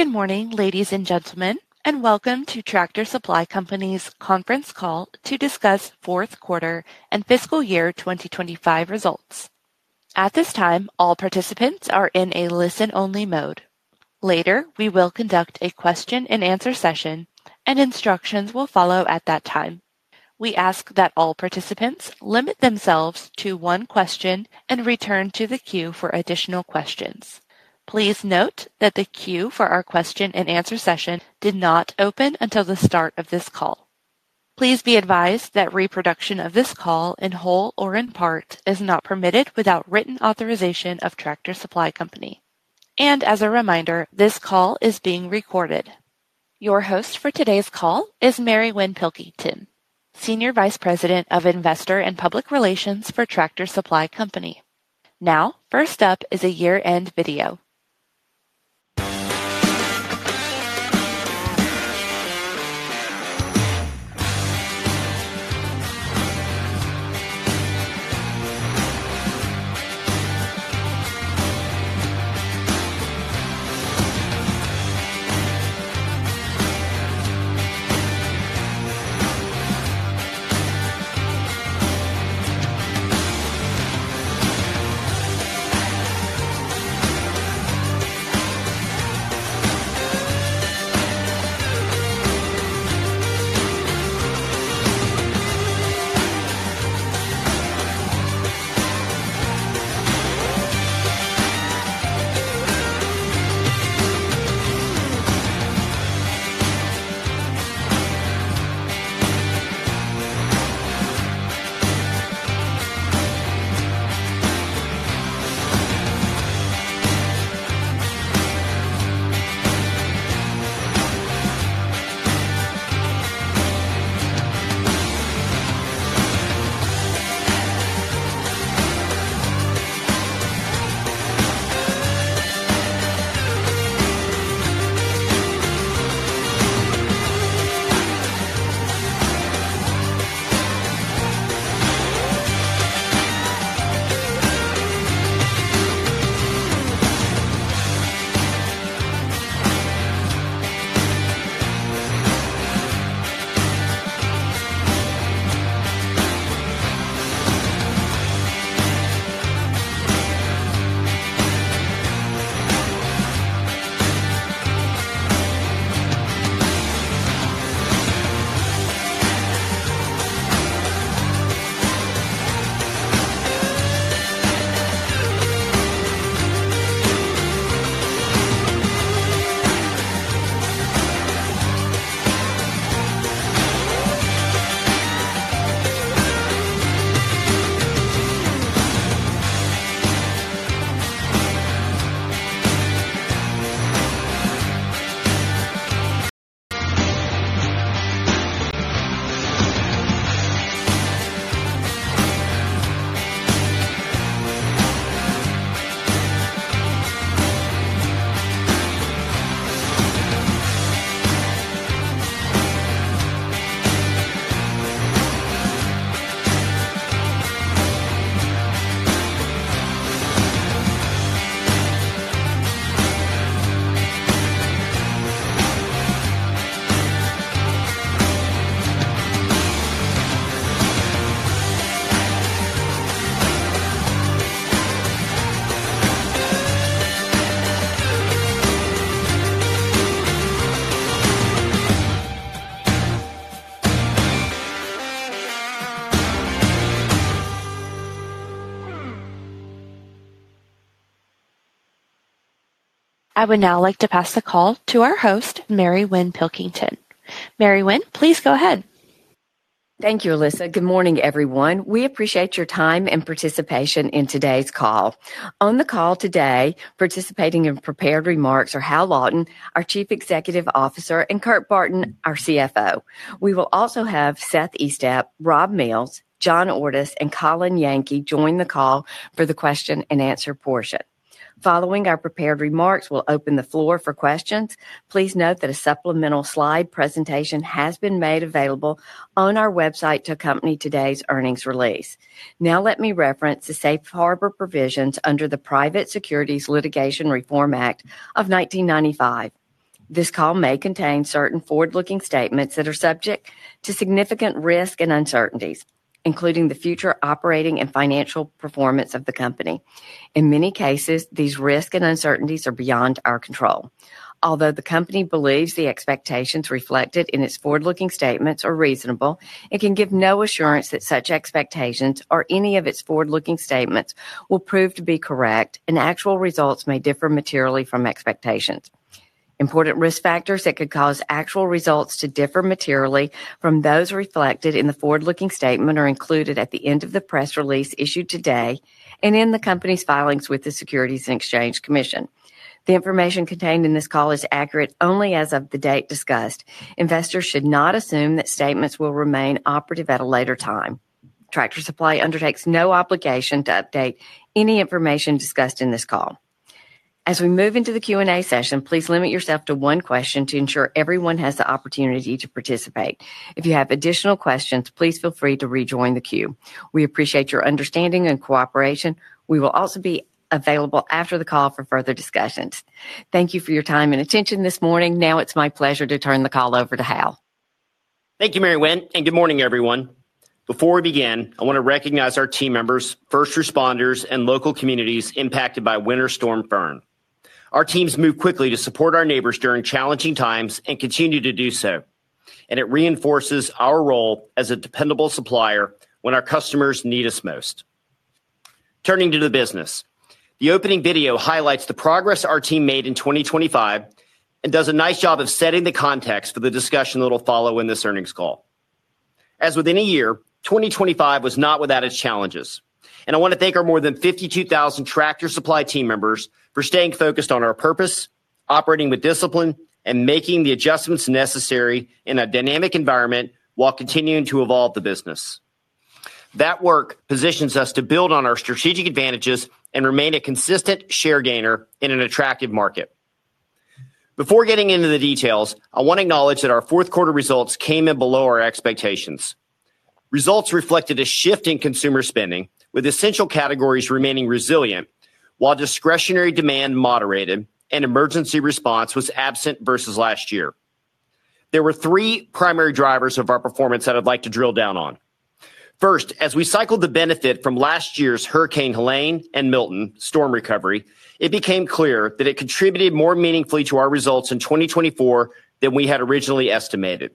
Good morning, ladies and gentlemen, and welcome to Tractor Supply Company's conference call to discuss fourth quarter and fiscal year 2025 results. At this time, all participants are in a listen-only mode. Later, we will conduct a question-and-answer session, and instructions will follow at that time. We ask that all participants limit themselves to one question and return to the queue for additional questions. Please note that the queue for our question-and-answer session did not open until the start of this call. Please be advised that reproduction of this call, in whole or in part, is not permitted without written authorization of Tractor Supply Company. As a reminder, this call is being recorded. Your host for today's call is Mary Winn Pilkington, Senior Vice President of Investor and Public Relations for Tractor Supply Company. Now, first up is a year-end video. I would now like to pass the call to our host, Mary Winn Pilkington. Mary Winn, please go ahead. Thank you, Alyssa. Good morning, everyone. We appreciate your time and participation in today's call. On the call today, participating in prepared remarks are Hal Lawton, our Chief Executive Officer, and Kurt Barton, our CFO. We will also have Seth Estep, Rob Mills, John Ordus, and Colin Yankee join the call for the question-and-answer portion. Following our prepared remarks, we'll open the floor for questions. Please note that a supplemental slide presentation has been made available on our website to accompany today's earnings release. Now, let me reference the safe harbor provisions under the Private Securities Litigation Reform Act of 1995. This call may contain certain forward-looking statements that are subject to significant risk and uncertainties, including the future operating and financial performance of the company. In many cases, these risks and uncertainties are beyond our control. Although the company believes the expectations reflected in its forward-looking statements are reasonable, it can give no assurance that such expectations or any of its forward-looking statements will prove to be correct, and actual results may differ materially from expectations. Important risk factors that could cause actual results to differ materially from those reflected in the forward-looking statement are included at the end of the press release issued today and in the company's filings with the Securities and Exchange Commission. The information contained in this call is accurate only as of the date discussed. Investors should not assume that statements will remain operative at a later time. Tractor Supply undertakes no obligation to update any information discussed in this call. As we move into the Q&A session, please limit yourself to one question to ensure everyone has the opportunity to participate. If you have additional questions, please feel free to rejoin the queue. We appreciate your understanding and cooperation. We will also be available after the call for further discussions. Thank you for your time and attention this morning. Now it's my pleasure to turn the call over to Hal.... Thank you, Mary Winn, and good morning, everyone. Before we begin, I want to recognize our team members, first responders, and local communities impacted by Winter Storm Fern. Our teams moved quickly to support our neighbors during challenging times and continue to do so, and it reinforces our role as a dependable supplier when our customers need us most. Turning to the business, the opening video highlights the progress our team made in 2025 and does a nice job of setting the context for the discussion that will follow in this earnings call. As with any year, 2025 was not without its challenges, and I want to thank our more than 52,000 Tractor Supply team members for staying focused on our purpose, operating with discipline, and making the adjustments necessary in a dynamic environment while continuing to evolve the business. That work positions us to build on our strategic advantages and remain a consistent share gainer in an attractive market. Before getting into the details, I want to acknowledge that our fourth quarter results came in below our expectations. Results reflected a shift in consumer spending, with essential categories remaining resilient while discretionary demand moderated and emergency response was absent versus last year. There were three primary drivers of our performance that I'd like to drill down on. First, as we cycled the benefit from last year's Hurricane Helene and Milton storm recovery, it became clear that it contributed more meaningfully to our results in 2024 than we had originally estimated.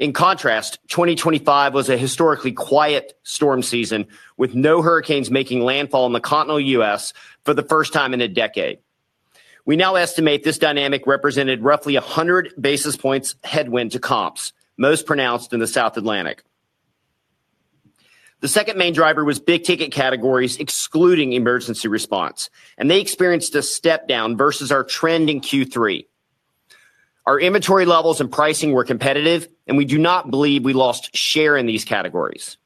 In contrast, 2025 was a historically quiet storm season, with no hurricanes making landfall in the continental U.S. for the first time in a decade. We now estimate this dynamic represented roughly 100 basis points headwind to comps, most pronounced in the South Atlantic. The second main driver was big-ticket categories, excluding emergency response, and they experienced a step down versus our trend in Q3. Our inventory levels and pricing were competitive, and we do not believe we lost share in these categories.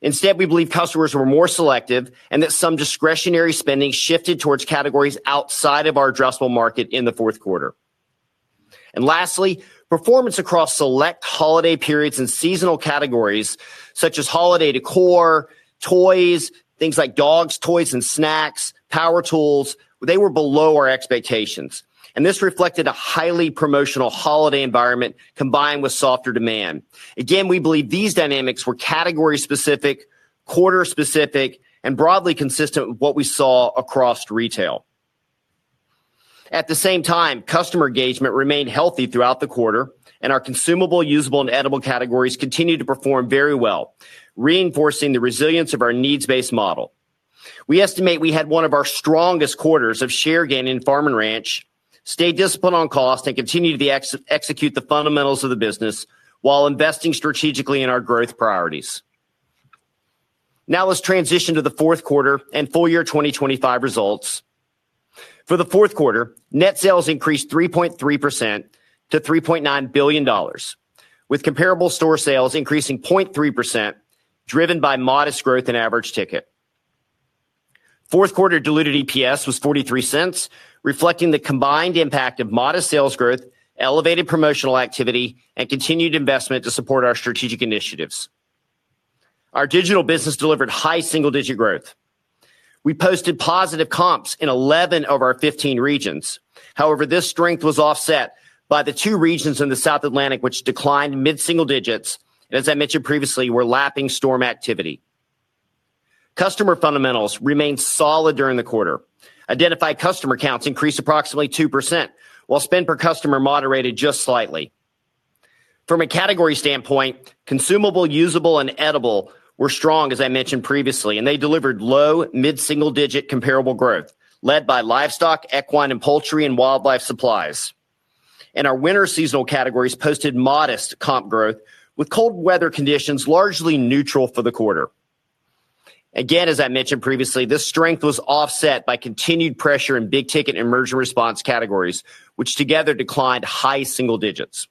Instead, we believe customers were more selective and that some discretionary spending shifted towards categories outside of our addressable market in the fourth quarter. And lastly, performance across select holiday periods and seasonal categories such as holiday decor, toys, things like dog toys and snacks, power tools, they were below our expectations, and this reflected a highly promotional holiday environment combined with softer demand. Again, we believe these dynamics were category-specific, quarter-specific, and broadly consistent with what we saw across retail. At the same time, customer engagement remained healthy throughout the quarter, and our consumable, usable, and edible categories continued to perform very well, reinforcing the resilience of our needs-based model. We estimate we had one of our strongest quarters of share gain in farm and ranch, stayed disciplined on cost, and continued to execute the fundamentals of the business while investing strategically in our growth priorities. Now, let's transition to the fourth quarter and full year 2025 results. For the fourth quarter, net sales increased 3.3% to $3.9 billion, with comparable store sales increasing 0.3%, driven by modest growth in average ticket. Fourth quarter diluted EPS was $0.43, reflecting the combined impact of modest sales growth, elevated promotional activity, and continued investment to support our strategic initiatives. Our digital business delivered high single-digit growth. We posted positive comps in 11 of our 15 regions. However, this strength was offset by the two regions in the South Atlantic, which declined mid-single digits, and as I mentioned previously, we're lapping storm activity. Customer fundamentals remained solid during the quarter. Identified customer counts increased approximately 2%, while spend per customer moderated just slightly. From a category standpoint, consumable, usable, and edible were strong, as I mentioned previously, and they delivered low- to mid-single-digit comparable growth, led by livestock, equine and poultry, and wildlife supplies. And our winter seasonal categories posted modest comp growth, with cold weather conditions largely neutral for the quarter. Again, as I mentioned previously, this strength was offset by continued pressure in big-ticket and emergency response categories, which together declined high single digits.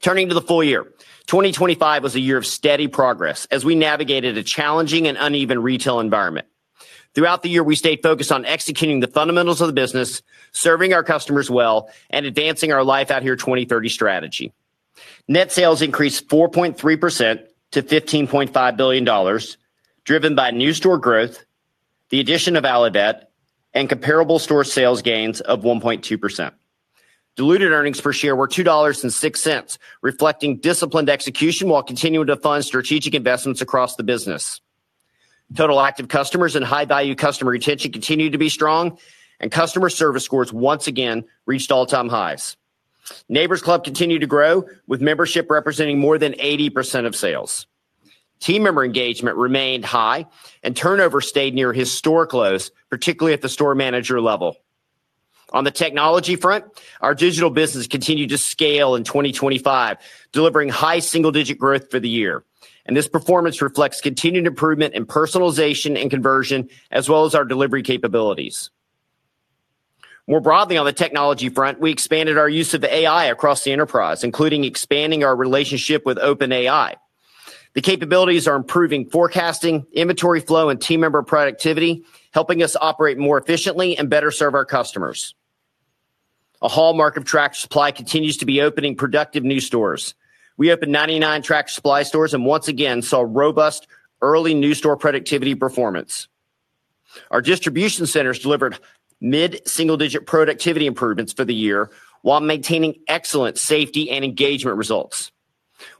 Turning to the full year, 2025 was a year of steady progress as we navigated a challenging and uneven retail environment. Throughout the year, we stayed focused on executing the fundamentals of the business, serving our customers well, and advancing our Life Out Here 2030 strategy. Net sales increased 4.3% to $15.5 billion, driven by new store growth, the addition of Allivet, and comparable store sales gains of 1.2%. Diluted earnings per share were $2.06, reflecting disciplined execution while continuing to fund strategic investments across the business. Total active customers and high-value customer retention continued to be strong, and customer service scores once again reached all-time highs. Neighbor's Club continued to grow, with membership representing more than 80% of sales. Team member engagement remained high, and turnover stayed near historic lows, particularly at the store manager level. On the technology front, our digital business continued to scale in 2025, delivering high single-digit growth for the year, and this performance reflects continued improvement in personalization and conversion, as well as our delivery capabilities. More broadly on the technology front, we expanded our use of AI across the enterprise, including expanding our relationship with OpenAI. The capabilities are improving forecasting, inventory flow, and team member productivity, helping us operate more efficiently and better serve our customers. A hallmark of Tractor Supply continues to be opening productive new stores. We opened 99 Tractor Supply stores and once again saw robust early new store productivity performance.... Our distribution centers delivered mid-single-digit productivity improvements for the year, while maintaining excellent safety and engagement results.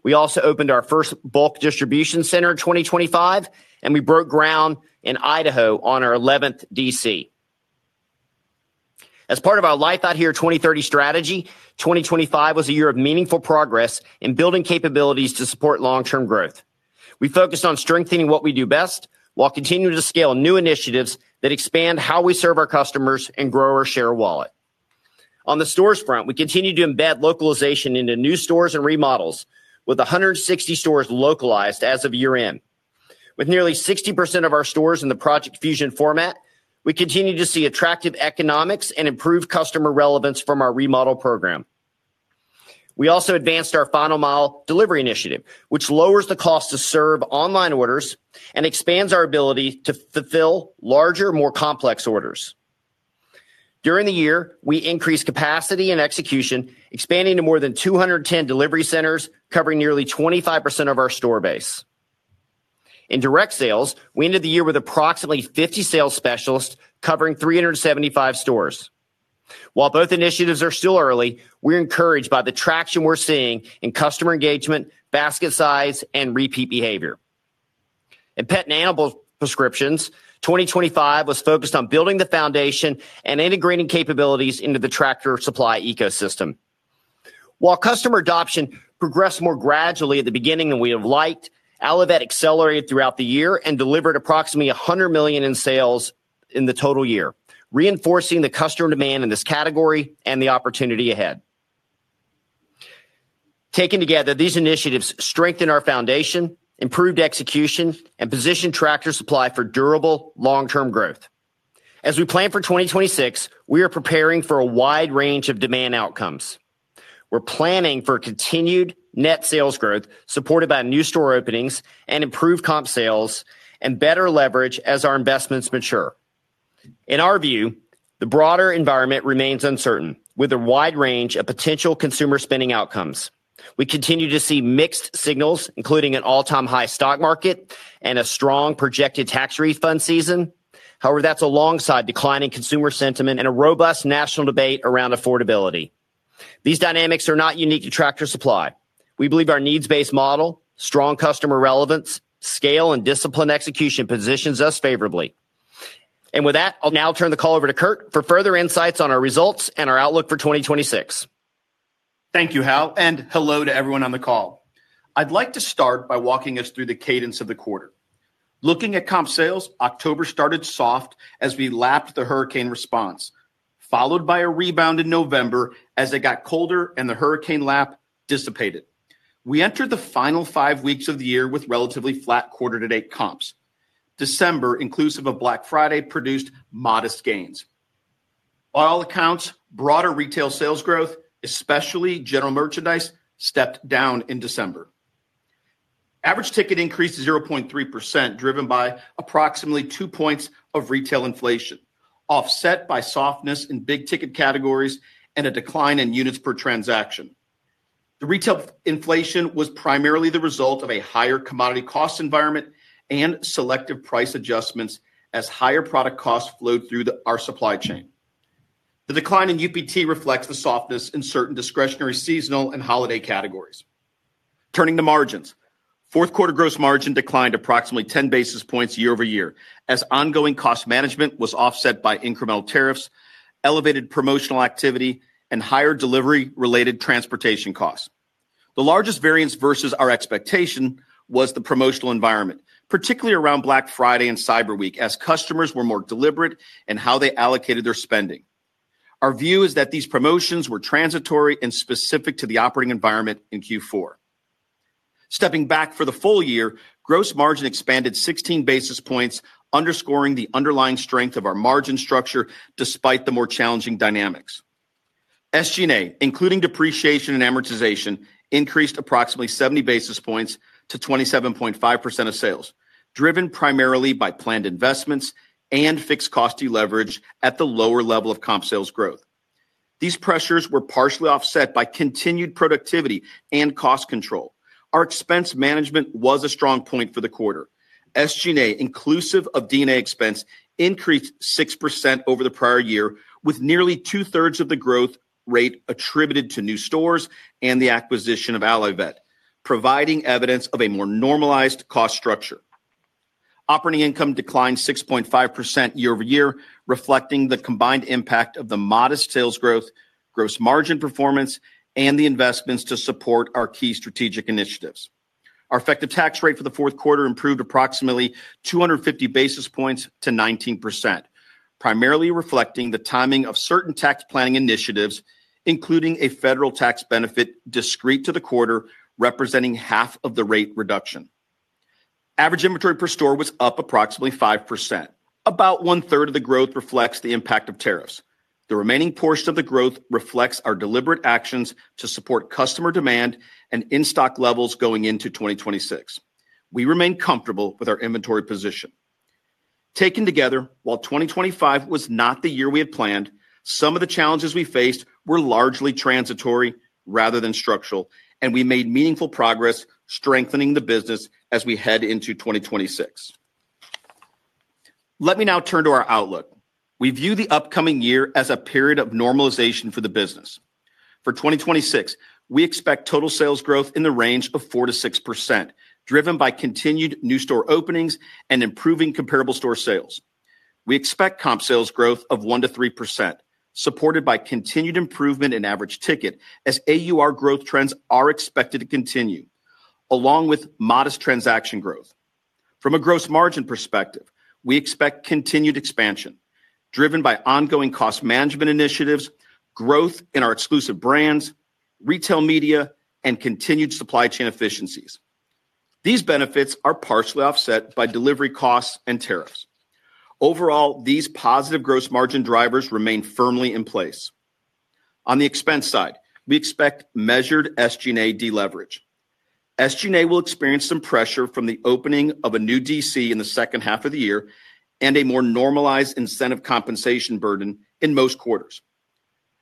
We also opened our first bulk distribution center in 2025, and we broke ground in Idaho on our 11th DC. As part of our Life Out Here 2030 strategy, 2025 was a year of meaningful progress in building capabilities to support long-term growth. We focused on strengthening what we do best, while continuing to scale new initiatives that expand how we serve our customers and grow our share of wallet. On the stores front, we continued to embed localization into new stores and remodels, with 160 stores localized as of year-end. With nearly 60% of our stores in the Project Fusion format, we continue to see attractive economics and improved customer relevance from our remodel program. We also advanced our final mile delivery initiative, which lowers the cost to serve online orders and expands our ability to fulfill larger, more complex orders. During the year, we increased capacity and execution, expanding to more than 210 delivery centers, covering nearly 25% of our store base. In direct sales, we ended the year with approximately 50 sales specialists covering 375 stores. While both initiatives are still early, we're encouraged by the traction we're seeing in customer engagement, basket size, and repeat behavior. In pet and animal prescriptions, 2025 was focused on building the foundation and integrating capabilities into the Tractor Supply ecosystem. While customer adoption progressed more gradually at the beginning than we have liked, Allivet accelerated throughout the year and delivered approximately $100 million in sales in the total year, reinforcing the customer demand in this category and the opportunity ahead. Taken together, these initiatives strengthen our foundation, improved execution, and positioned Tractor Supply for durable, long-term growth. As we plan for 2026, we are preparing for a wide range of demand outcomes. We're planning for continued net sales growth, supported by new store openings and improved comp sales and better leverage as our investments mature. In our view, the broader environment remains uncertain, with a wide range of potential consumer spending outcomes. We continue to see mixed signals, including an all-time high stock market and a strong projected tax refund season. However, that's alongside declining consumer sentiment and a robust national debate around affordability. These dynamics are not unique to Tractor Supply. We believe our needs-based model, strong customer relevance, scale, and disciplined execution positions us favorably. And with that, I'll now turn the call over to Kurt for further insights on our results and our outlook for 2026. Thank you, Hal, and hello to everyone on the call. I'd like to start by walking us through the cadence of the quarter. Looking at comp sales, October started soft as we lapped the hurricane response, followed by a rebound in November as it got colder and the hurricane lap dissipated. We entered the final 5 weeks of the year with relatively flat quarter-to-date comps. December, inclusive of Black Friday, produced modest gains. By all accounts, broader retail sales growth, especially general merchandise, stepped down in December. Average ticket increased 0.3%, driven by approximately two points of retail inflation, offset by softness in big-ticket categories and a decline in units per transaction. The retail inflation was primarily the result of a higher commodity cost environment and selective price adjustments as higher product costs flowed through our supply chain. The decline in UPT reflects the softness in certain discretionary, seasonal, and holiday categories. Turning to margins, fourth quarter gross margin declined approximately 10 basis points year-over-year, as ongoing cost management was offset by incremental tariffs, elevated promotional activity, and higher delivery-related transportation costs. The largest variance versus our expectation was the promotional environment, particularly around Black Friday and Cyber Week, as customers were more deliberate in how they allocated their spending. Our view is that these promotions were transitory and specific to the operating environment in Q4. Stepping back for the full year, gross margin expanded 16 basis points, underscoring the underlying strength of our margin structure despite the more challenging dynamics. SG&A, including depreciation and amortization, increased approximately 70 basis points to 27.5% of sales, driven primarily by planned investments and fixed cost deleverage at the lower level of comp sales growth. These pressures were partially offset by continued productivity and cost control. Our expense management was a strong point for the quarter. SG&A, inclusive of D&A expense, increased 6% over the prior year, with nearly two-thirds of the growth rate attributed to new stores and the acquisition of Allivet, providing evidence of a more normalized cost structure. Operating income declined 6.5% year-over-year, reflecting the combined impact of the modest sales growth, gross margin performance, and the investments to support our key strategic initiatives. Our effective tax rate for the fourth quarter improved approximately 250 basis points to 19%, primarily reflecting the timing of certain tax planning initiatives, including a federal tax benefit discrete to the quarter, representing half of the rate reduction. Average inventory per store was up approximately 5%. About one-third of the growth reflects the impact of tariffs. The remaining portion of the growth reflects our deliberate actions to support customer demand and in-stock levels going into 2026. We remain comfortable with our inventory position. Taken together, while 2025 was not the year we had planned, some of the challenges we faced were largely transitory rather than structural, and we made meaningful progress strengthening the business as we head into 2026.... Let me now turn to our outlook. We view the upcoming year as a period of normalization for the business. For 2026, we expect total sales growth in the range of 4%-6%, driven by continued new store openings and improving comparable store sales. We expect comp sales growth of 1%-3%, supported by continued improvement in average ticket, as AUR growth trends are expected to continue, along with modest transaction growth. From a gross margin perspective, we expect continued expansion, driven by ongoing cost management initiatives, growth in our exclusive brands, retail media, and continued supply chain efficiencies. These benefits are partially offset by delivery costs and tariffs. Overall, these positive gross margin drivers remain firmly in place. On the expense side, we expect measured SG&A deleverage. SG&A will experience some pressure from the opening of a new DC in the second half of the year and a more normalized incentive compensation burden in most quarters.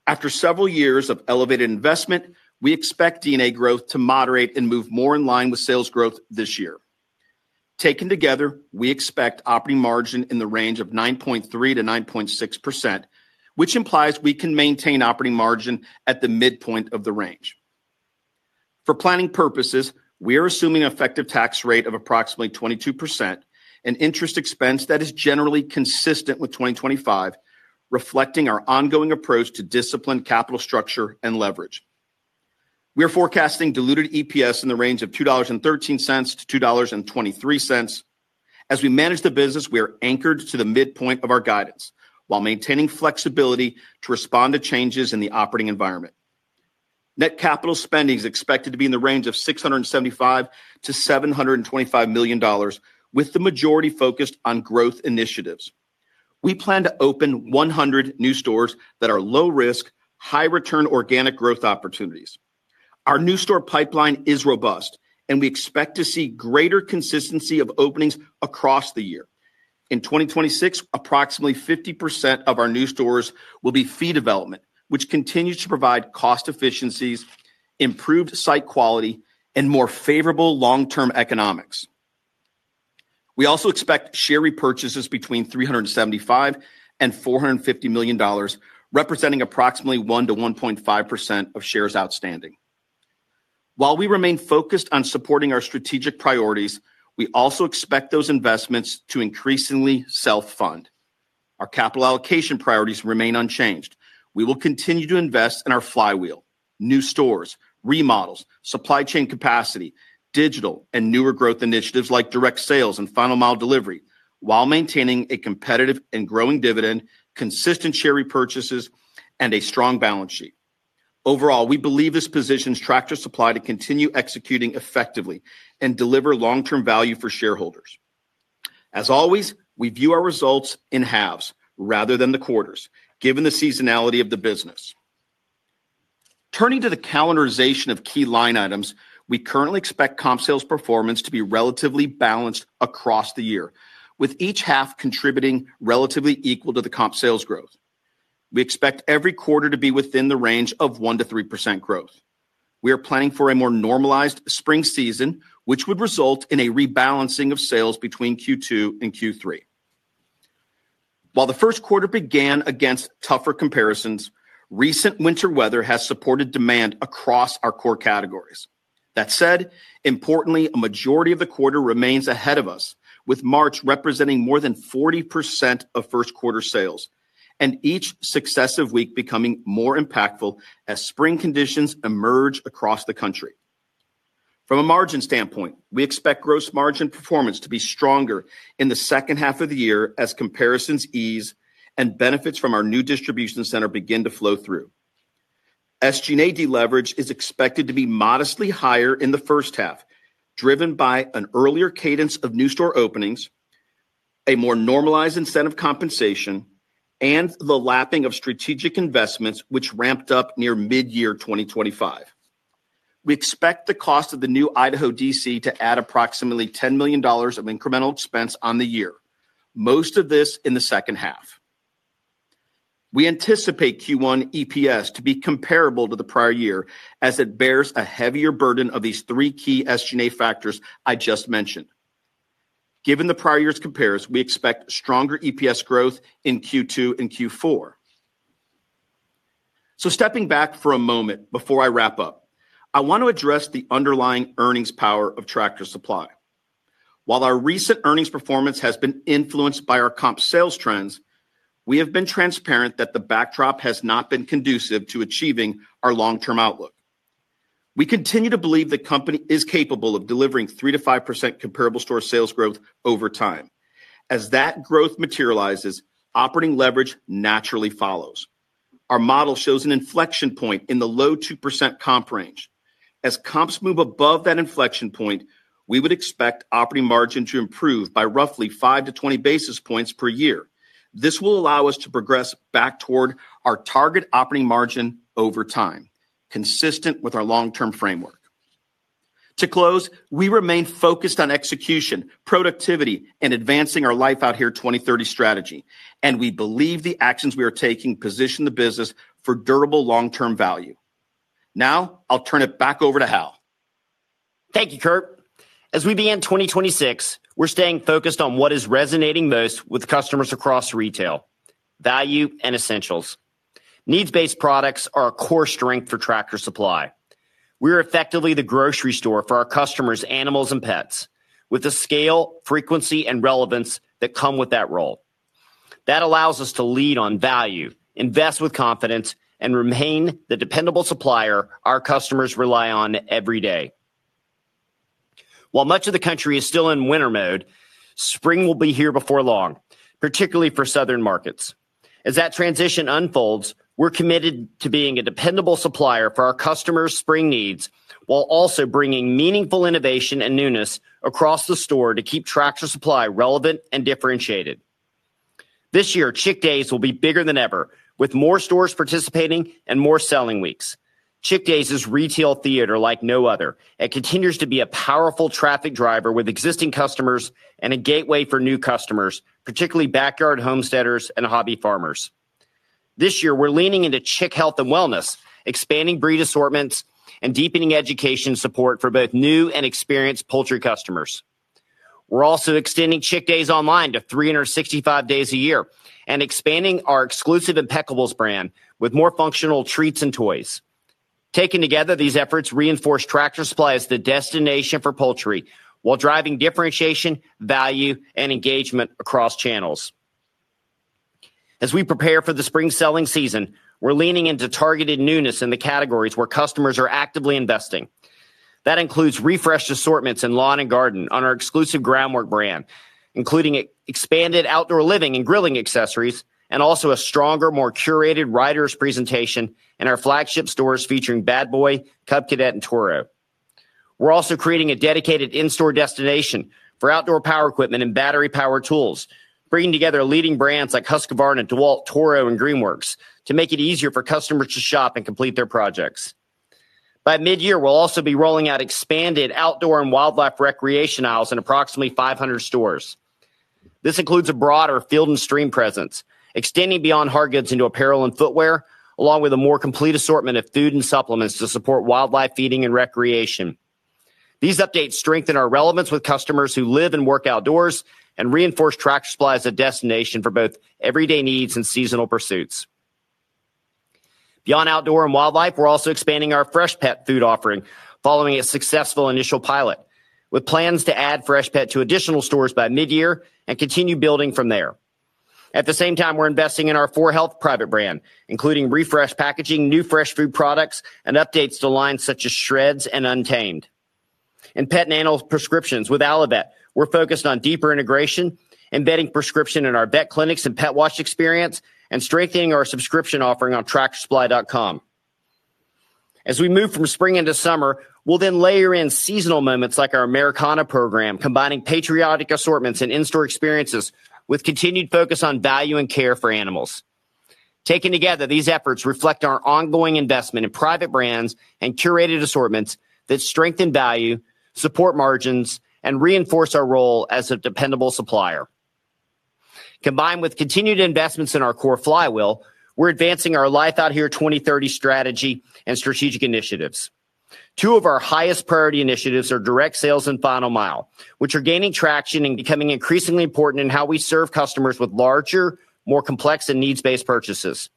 After several years of elevated investment, we expect D&A growth to moderate and move more in line with sales growth this year. Taken together, we expect operating margin in the range of 9.3%-9.6%, which implies we can maintain operating margin at the midpoint of the range. For planning purposes, we are assuming an effective tax rate of approximately 22% and interest expense that is generally consistent with 2025, reflecting our ongoing approach to disciplined capital structure and leverage. We are forecasting diluted EPS in the range of $2.13-$2.23. As we manage the business, we are anchored to the midpoint of our guidance, while maintaining flexibility to respond to changes in the operating environment. Net capital spending is expected to be in the range of $675 million-$725 million, with the majority focused on growth initiatives. We plan to open 100 new stores that are low risk, high return organic growth opportunities. Our new store pipeline is robust, and we expect to see greater consistency of openings across the year. In 2026, approximately 50% of our new stores will be fee development, which continues to provide cost efficiencies, improved site quality, and more favorable long-term economics. We also expect share repurchases between $375 million and $450 million, representing approximately 1%-1.5% of shares outstanding. While we remain focused on supporting our strategic priorities, we also expect those investments to increasingly self-fund. Our capital allocation priorities remain unchanged. We will continue to invest in our flywheel, new stores, remodels, supply chain capacity, digital and newer growth initiatives like direct sales and final mile delivery, while maintaining a competitive and growing dividend, consistent share repurchases, and a strong balance sheet. Overall, we believe this positions Tractor Supply to continue executing effectively and deliver long-term value for shareholders. As always, we view our results in halves rather than the quarters, given the seasonality of the business. Turning to the calendarization of key line items, we currently expect comp sales performance to be relatively balanced across the year, with each half contributing relatively equal to the comp sales growth. We expect every quarter to be within the range of 1%-3% growth. We are planning for a more normalized spring season, which would result in a rebalancing of sales between Q2 and Q3. While the first quarter began against tougher comparisons, recent winter weather has supported demand across our core categories. That said, importantly, a majority of the quarter remains ahead of us, with March representing more than 40% of first quarter sales, and each successive week becoming more impactful as spring conditions emerge across the country. From a margin standpoint, we expect gross margin performance to be stronger in the second half of the year, as comparisons ease and benefits from our new distribution center begin to flow through. SG&A deleverage is expected to be modestly higher in the first half, driven by an earlier cadence of new store openings, a more normalized incentive compensation, and the lapping of strategic investments which ramped up near mid-year 2025. We expect the cost of the new Idaho DC to add approximately $10 million of incremental expense on the year, most of this in the second half. We anticipate Q1 EPS to be comparable to the prior year, as it bears a heavier burden of these three key SG&A factors I just mentioned. Given the prior year's compares, we expect stronger EPS growth in Q2 and Q4. So stepping back for a moment before I wrap up, I want to address the underlying earnings power of Tractor Supply. While our recent earnings performance has been influenced by our comp sales trends, we have been transparent that the backdrop has not been conducive to achieving our long-term outlook. We continue to believe the company is capable of delivering 3%-5% comparable store sales growth over time. As that growth materializes, operating leverage naturally follows. Our model shows an inflection point in the low 2% comp range. As comps move above that inflection point, we would expect operating margin to improve by roughly 5-20 basis points per year. This will allow us to progress back toward our target operating margin over time, consistent with our long-term framework. To close, we remain focused on execution, productivity, and advancing our Life Out Here 2030 strategy, and we believe the actions we are taking position the business for durable long-term value. Now, I'll turn it back over to Hal. Thank you, Kurt. As we begin 2026, we're staying focused on what is resonating most with customers across retail, value and essentials. Needs-based products are a core strength for Tractor Supply. We are effectively the grocery store for our customers' animals and pets, with the scale, frequency, and relevance that come with that role. That allows us to lead on value, invest with confidence, and remain the dependable supplier our customers rely on every day. While much of the country is still in winter mode, spring will be here before long, particularly for southern markets. As that transition unfolds, we're committed to being a dependable supplier for our customers' spring needs, while also bringing meaningful innovation and newness across the store to keep Tractor Supply relevant and differentiated. This year, Chick Days will be bigger than ever, with more stores participating and more selling weeks. Chick Days is retail theater like no other and continues to be a powerful traffic driver with existing customers and a gateway for new customers, particularly backyard homesteaders and hobby farmers. This year, we're leaning into chick health and wellness, expanding breed assortments, and deepening education support for both new and experienced poultry customers. We're also extending Chick Days online to 365 days a year and expanding our exclusive Impeckables brand with more functional treats and toys. Taken together, these efforts reinforce Tractor Supply as the destination for poultry, while driving differentiation, value, and engagement across channels. As we prepare for the spring selling season, we're leaning into targeted newness in the categories where customers are actively investing. That includes refreshed assortments in lawn and garden on our exclusive GroundWork brand, including expanded outdoor living and grilling accessories, and also a stronger, more curated riders presentation in our flagship stores featuring Bad Boy, Cub Cadet, and Toro. We're also creating a dedicated in-store destination for outdoor power equipment and battery-powered tools, bringing together leading brands like Husqvarna, DEWALT, Toro, and Greenworks to make it easier for customers to shop and complete their projects. By mid-year, we'll also be rolling out expanded outdoor and wildlife recreation aisles in approximately 500 stores. This includes a broader Field & Stream presence, extending beyond hard goods into apparel and footwear, along with a more complete assortment of food and supplements to support wildlife feeding and recreation. These updates strengthen our relevance with customers who live and work outdoors and reinforce Tractor Supply as a destination for both everyday needs and seasonal pursuits. Beyond outdoor and wildlife, we're also expanding our Freshpet food offering, following a successful initial pilot, with plans to add Freshpet to additional stores by mid-year and continue building from there. At the same time, we're investing in our 4health private brand, including refreshed packaging, new fresh food products, and updates to lines such as Shreds and Untamed. In pet and animal prescriptions with Allivet, we're focused on deeper integration, embedding prescription in our vet clinics and pet wash experience, and strengthening our subscription offering on TractorSupply.com. As we move from spring into summer, we'll then layer in seasonal moments like our Americana program, combining patriotic assortments and in-store experiences with continued focus on value and care for animals. Taken together, these efforts reflect our ongoing investment in private brands and curated assortments that strengthen value, support margins, and reinforce our role as a dependable supplier. Combined with continued investments in our core flywheel, we're advancing our Life Out Here 2030 strategy and strategic initiatives. Two of our highest priority initiatives are direct sales and final mile, which are gaining traction and becoming increasingly important in how we serve customers with larger, more complex and needs-based purchases.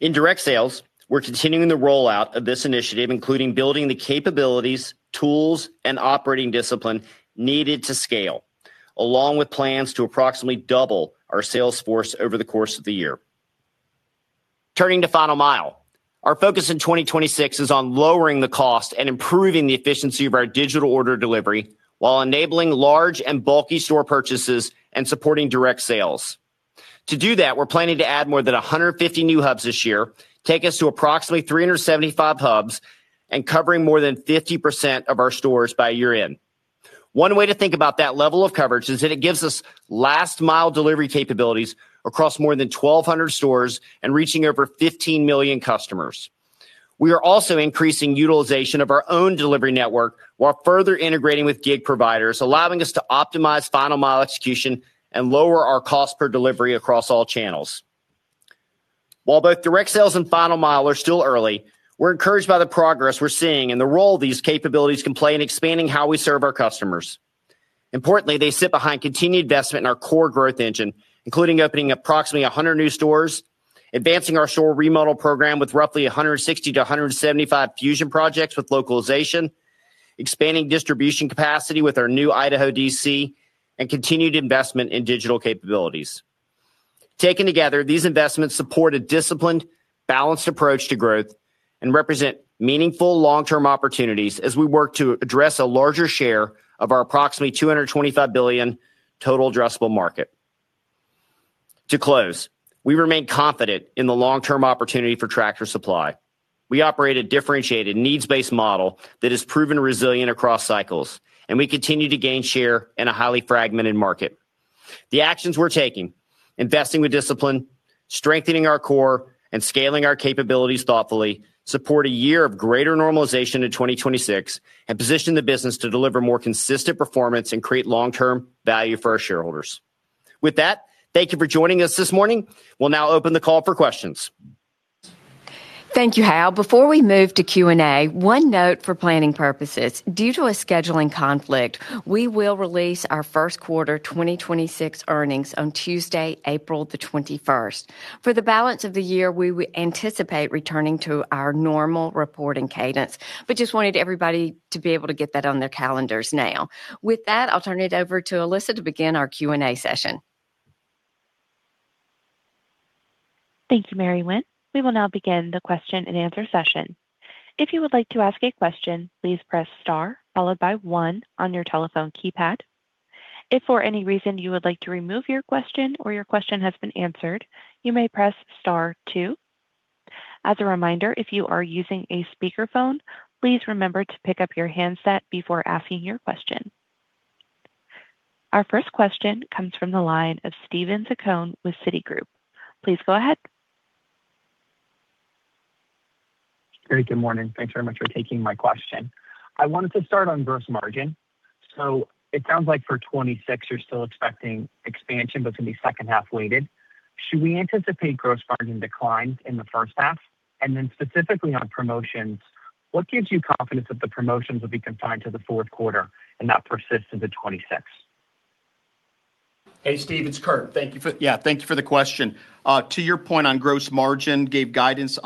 In direct sales, we're continuing the rollout of this initiative, including building the capabilities, tools, and operating discipline needed to scale, along with plans to approximately double our sales force over the course of the year. Turning to final mile, our focus in 2026 is on lowering the cost and improving the efficiency of our digital order delivery, while enabling large and bulky store purchases and supporting direct sales. To do that, we're planning to add more than 150 new hubs this year, take us to approximately 375 hubs and covering more than 50% of our stores by year-end. One way to think about that level of coverage is that it gives us last-mile delivery capabilities across more than 1,200 stores and reaching over 15 million customers. We are also increasing utilization of our own delivery network while further integrating with gig providers, allowing us to optimize final mile execution and lower our cost per delivery across all channels. While both direct sales and final mile are still early, we're encouraged by the progress we're seeing and the role these capabilities can play in expanding how we serve our customers. Importantly, they sit behind continued investment in our core growth engine, including opening approximately 100 new stores, advancing our store remodel program with roughly 160-175 Fusion projects with localization, expanding distribution capacity with our new Idaho DC, and continued investment in digital capabilities. Taken together, these investments support a disciplined, balanced approach to growth and represent meaningful long-term opportunities as we work to address a larger share of our approximately $225 billion total addressable market. To close, we remain confident in the long-term opportunity for Tractor Supply. We operate a differentiated, needs-based model that has proven resilient across cycles, and we continue to gain share in a highly fragmented market. The actions we're taking, investing with discipline, strengthening our core, and scaling our capabilities thoughtfully, support a year of greater normalization in 2026 and position the business to deliver more consistent performance and create long-term value for our shareholders. With that, thank you for joining us this morning. We'll now open the call for questions. ... Thank you, Hal. Before we move to Q&A, one note for planning purposes. Due to a scheduling conflict, we will release our first quarter 2026 earnings on Tuesday, April 21. For the balance of the year, we will anticipate returning to our normal reporting cadence, but just wanted everybody to be able to get that on their calendars now. With that, I'll turn it over to Alyssa to begin our Q&A session. Thank you, Mary Winn. We will now begin the question and answer session. If you would like to ask a question, please press star, followed by one on your telephone keypad. If for any reason you would like to remove your question or your question has been answered, you may press star two. As a reminder, if you are using a speakerphone, please remember to pick up your handset before asking your question. Our first question comes from the line of Steven Zaccone with Citigroup. Please go ahead. Very good morning. Thanks very much for taking my question. I wanted to start on gross margin. So it sounds like for 2026, you're still expecting expansion, but it's going to be second half weighted. Should we anticipate gross margin declines in the first half? And then specifically on promotions, what gives you confidence that the promotions will be confined to the fourth quarter and not persist into 2026? Hey, Steve, it's Kurt. Thank you for— Yeah, thank you for the question. To your point on gross margin, gave guidance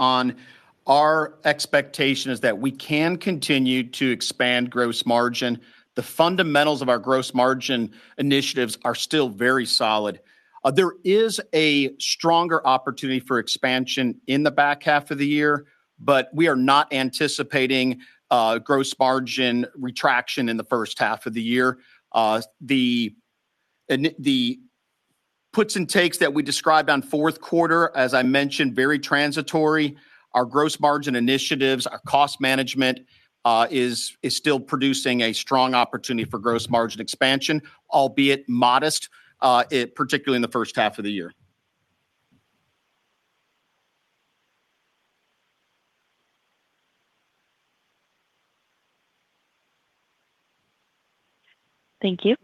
on our expectation is that we can continue to expand gross margin. The fundamentals of our gross margin initiatives are still very solid. There is a stronger opportunity for expansion in the back half of the year, but we are not anticipating gross margin retraction in the first half of the year. The puts and takes that we described on fourth quarter, as I mentioned, very transitory. Our gross margin initiatives, our cost management, is still producing a strong opportunity for gross margin expansion, albeit modest, it particularly in the first half of the year. Thank you.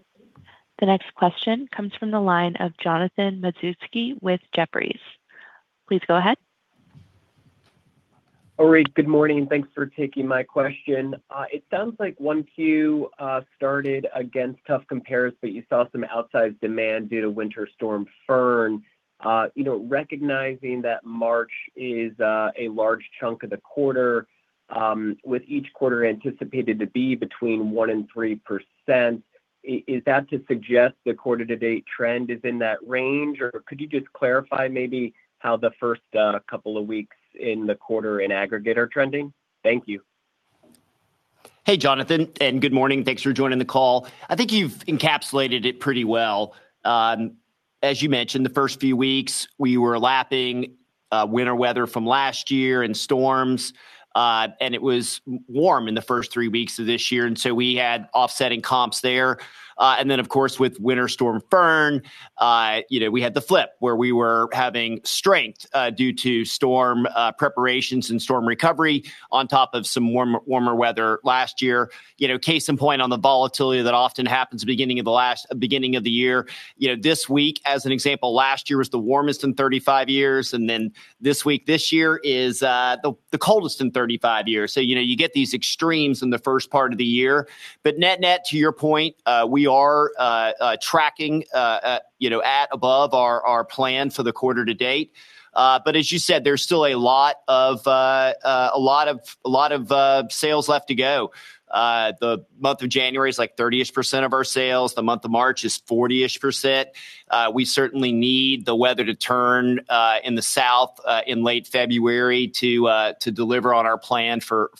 The next question comes from the line of Jonathan Matuszewski with Jefferies. Please go ahead. All right. Good morning, and thanks for taking my question. It sounds like 1Q started against tough comparison, but you saw some outsized demand due to Winter Storm Fern. You know, recognizing that March is a large chunk of the quarter, with each quarter anticipated to be between 1% and 3%, is that to suggest the quarter-to-date trend is in that range? Or could you just clarify maybe how the first couple of weeks in the quarter in aggregate are trending? Thank you. Hey, Jonathan, and good morning. Thanks for joining the call. I think you've encapsulated it pretty well. As you mentioned, the first few weeks, we were lapping winter weather from last year and storms, and it was warm in the first three weeks of this year, and so we had offsetting comps there. And then, of course, with Winter Storm Fern, you know, we had the flip, where we were having strength due to storm preparations and storm recovery on top of some warm, warmer weather last year. You know, case in point on the volatility that often happens at the beginning of the year. You know, this week, as an example, last year was the warmest in 35 years, and then this week, this year is the coldest in 35 years. So, you know, you get these extremes in the first part of the year. But net, net, to your point, we are tracking, you know, at above our plan for the quarter to date. But as you said, there's still a lot of sales left to go. The month of January is like 30%-ish of our sales. The month of March is 40%-ish. We certainly need the weather to turn in the south in late February to deliver on our plan for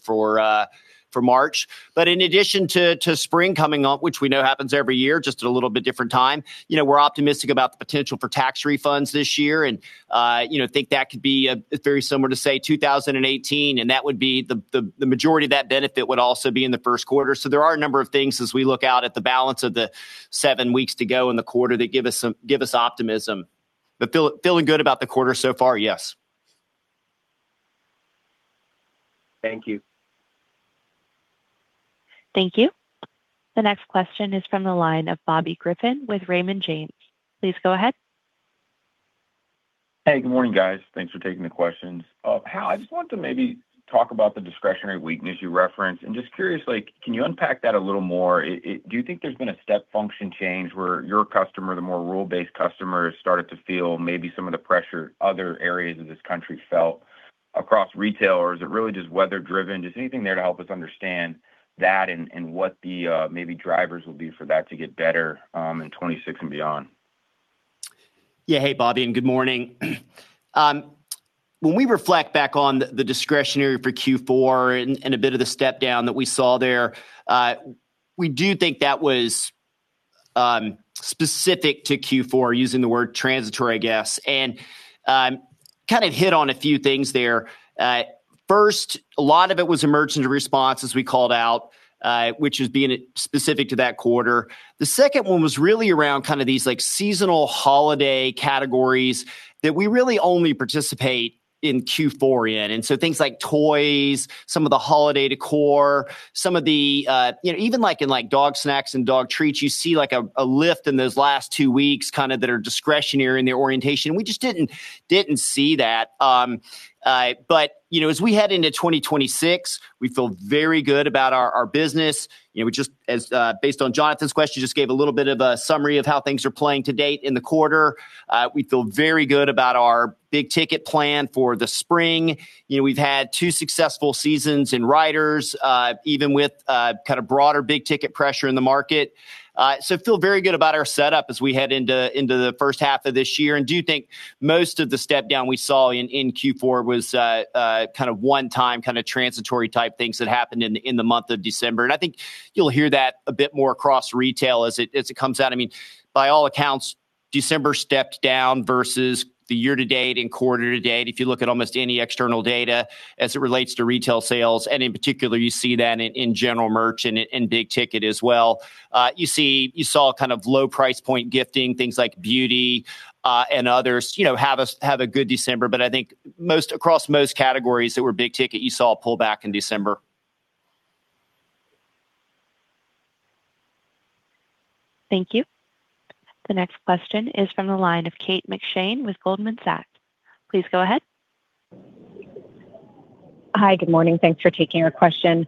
March. But in addition to spring coming up, which we know happens every year, just at a little bit different time, you know, we're optimistic about the potential for tax refunds this year. You know, think that could be very similar to, say, 2018, and that would be the majority of that benefit would also be in the first quarter. So there are a number of things as we look out at the balance of the seven weeks to go in the quarter that give us optimism. But feeling good about the quarter so far? Yes. Thank you. Thank you. The next question is from the line of Bobby Griffin with Raymond James. Please go ahead. Hey, good morning, guys. Thanks for taking the questions. Hal, I just want to maybe talk about the discretionary weakness you referenced. Just curiously, can you unpack that a little more? Do you think there's been a step function change where your customer, the more rural-based customer, has started to feel maybe some of the pressure other areas of this country felt across retail? Or is it really just weather driven? Just anything there to help us understand that and, and what the maybe drivers will be for that to get better in 2026 and beyond. Yeah. Hey, Bobby, and good morning. When we reflect back on the, the discretionary for Q4 and, and a bit of the step down that we saw there, we do think that was specific to Q4, using the word transitory, I guess. And kind of hit on a few things there. First, a lot of it was emergency response, as we called out, which is being specific to that quarter. The second one was really around kind of these, like, seasonal holiday categories that we really only participate in Q4 in. And so things like toys, some of the holiday decor, some of the, you know, even like in, like, dog snacks and dog treats, you see like a, a lift in those last two weeks, kind of that are discretionary in their orientation. We just didn't see that. But, you know, as we head into 2026, we feel very good about our, our business. You know, we just as, based on Jonathan's question, just gave a little bit of a summary of how things are playing to date in the quarter. We feel very good about our big ticket plan for the spring. You know, we've had two successful seasons in riders, even with, kind of broader big ticket pressure in the market. So feel very good about our setup as we head into, into the first half of this year, and do think most of the step down we saw in, in Q4 was, kind of one-time, kind of transitory type things that happened in, in the month of December. And I think you'll hear that a bit more across retail as it, as it comes out. I mean, by all accounts, December stepped down versus the year to date and quarter to date, if you look at almost any external data as it relates to retail sales, and in particular, you see that in general merch and in big ticket as well. You saw kind of low price point gifting, things like beauty, and others, you know, had a good December. But I think most, across most categories that were big ticket, you saw a pullback in December. Thank you. The next question is from the line of Kate McShane with Goldman Sachs. Please go ahead. Hi, good morning. Thanks for taking our question.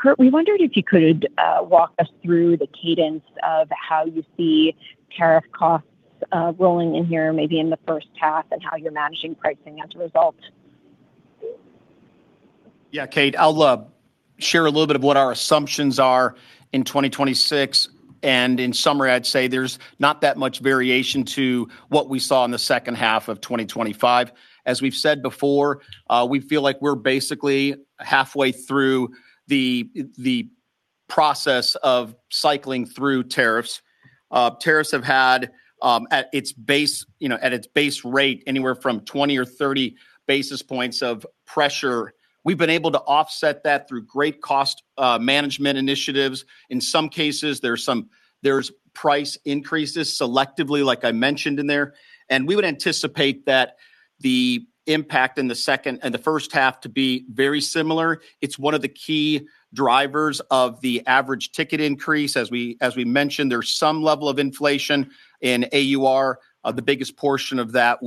Kurt, we wondered if you could walk us through the cadence of how you see tariff costs rolling in here, maybe in the first half, and how you're managing pricing as a result? Yeah, Kate, I'll share a little bit of what our assumptions are in 2026, and in summary, I'd say there's not that much variation to what we saw in the second half of 2025. As we've said before, we feel like we're basically halfway through the process of cycling through tariffs. Tariffs have had, at its base, you know, at its base rate, anywhere from 20 or 30 basis points of pressure. We've been able to offset that through great cost management initiatives. In some cases, there are some—there's price increases selectively, like I mentioned in there, and we would anticipate that the impact in the second and the first half to be very similar. It's one of the key drivers of the average ticket increase. As we mentioned, there's some level of inflation in AUR. The biggest portion of that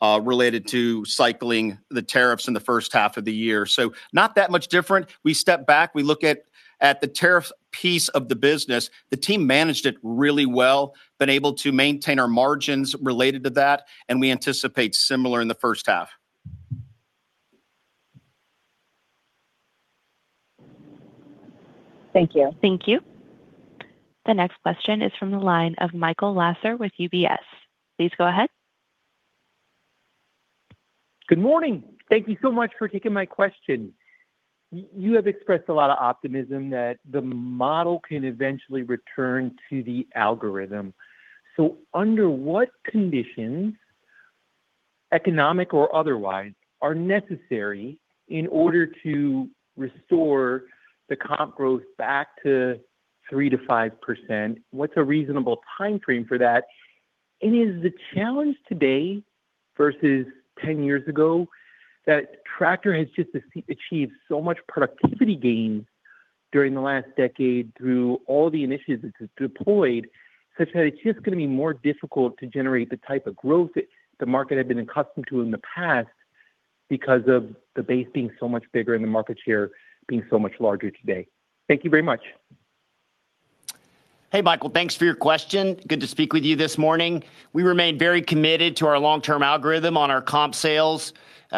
would be related to cycling the tariffs in the first half of the year. So not that much different. We step back, we look at the tariff piece of the business. The team managed it really well, been able to maintain our margins related to that, and we anticipate similar in the first half. Thank you. Thank you. The next question is from the line of Michael Lasser with UBS. Please go ahead. Good morning. Thank you so much for taking my question. You have expressed a lot of optimism that the model can eventually return to the algorithm. So under what conditions, economic or otherwise, are necessary in order to restore the comp growth back to 3%-5%? What's a reasonable timeframe for that? And is the challenge today versus 10 years ago, that Tractor has just achieved so much productivity gains during the last decade through all the initiatives it's deployed, such that it's just gonna be more difficult to generate the type of growth that the market had been accustomed to in the past because of the base being so much bigger and the market share being so much larger today? Thank you very much. Hey, Michael, thanks for your question. Good to speak with you this morning. We remain very committed to our long-term algorithm on our comp sales.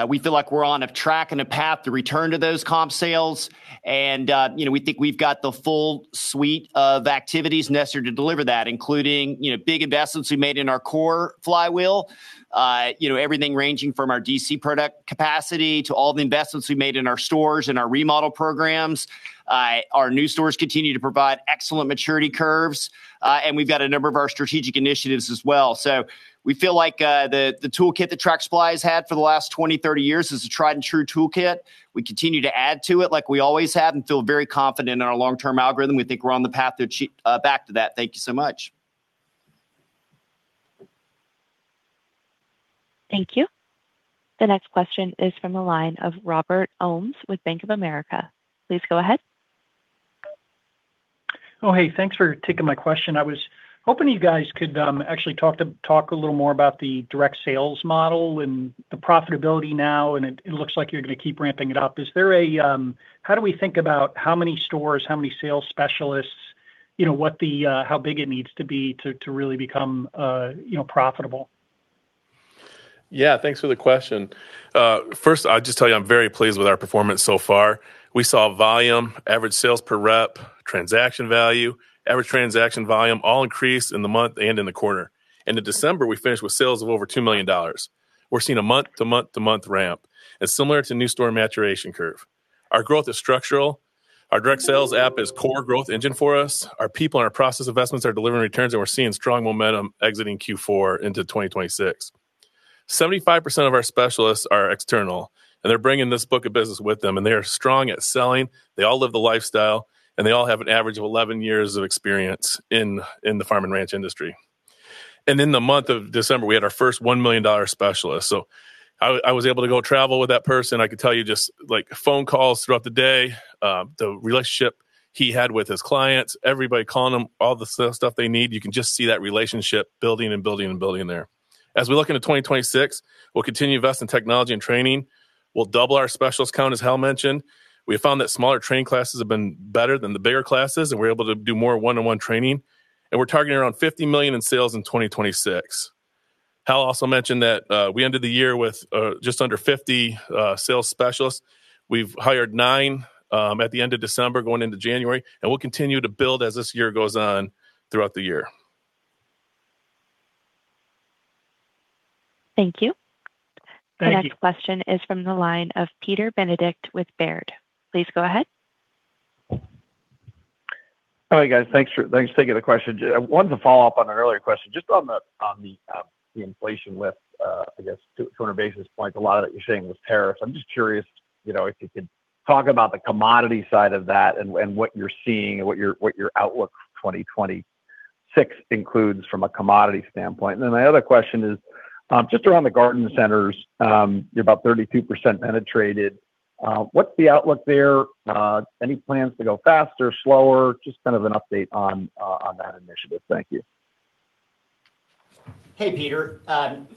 We feel like we're on a track and a path to return to those comp sales. And, you know, we think we've got the full suite of activities necessary to deliver that, including, you know, big investments we made in our core flywheel. You know, everything ranging from our DC product capacity to all the investments we made in our stores and our remodel programs. Our new stores continue to provide excellent maturity curves, and we've got a number of our strategic initiatives as well. So we feel like, the toolkit that Tractor Supply has had for the last 20, 30 years is a tried-and-true toolkit. We continue to add to it like we always have, and feel very confident in our long-term algorithm. We think we're on the path back to that. Thank you so much. Thank you. The next question is from the line of Robert Ohmes with Bank of America. Please go ahead. Oh, hey, thanks for taking my question. I was hoping you guys could actually talk a little more about the direct sales model and the profitability now, and it looks like you're gonna keep ramping it up. Is there a... How do we think about how many stores, how many sales specialists, you know, what the how big it needs to be to really become, you know, profitable? Yeah, thanks for the question. First, I'll just tell you, I'm very pleased with our performance so far. We saw volume, average sales per rep, transaction value, average transaction volume, all increase in the month and in the quarter. End of December, we finished with sales of over $2 million. We're seeing a month to month to month ramp, and similar to new store maturation curve. ...Our growth is structural. Our direct sales team is core growth engine for us. Our people and our process investments are delivering returns, and we're seeing strong momentum exiting Q4 into 2026. 75% of our specialists are external, and they're bringing this book of business with them, and they are strong at selling. They all live the lifestyle, and they all have an average of 11 years of experience in the farm and ranch industry. In the month of December, we had our first $1 million specialist. So I was able to go travel with that person. I could tell you just, like, phone calls throughout the day, the relationship he had with his clients, everybody calling him, all the stuff they need. You can just see that relationship building and building and building there. As we look into 2026, we'll continue to invest in technology and training. We'll double our specialist count, as Hal mentioned. We found that smaller training classes have been better than the bigger classes, and we're able to do more one-on-one training, and we're targeting around $50 million in sales in 2026. Hal also mentioned that we ended the year with just under 50 sales specialists. We've hired nine at the end of December, going into January, and we'll continue to build as this year goes on throughout the year. Thank you. Thank you. The next question is from the line of Peter Benedict with Baird. Please go ahead. Hi, guys. Thanks for taking the question. I wanted to follow up on an earlier question, just on the inflation with, I guess, 200 basis points, a lot of it you're saying, was tariffs. I'm just curious, you know, if you could talk about the commodity side of that and what you're seeing and what your outlook for 2026 includes from a commodity standpoint. And then my other question is, just around the garden centers, you're about 32% penetrated. What's the outlook there? Any plans to go faster, slower? Just kind of an update on that initiative. Thank you. Hey, Peter.